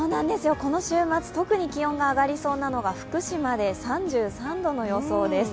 この週末、特に気温が上がりそうなのが福島で、３３度の予想です。